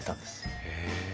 へえ。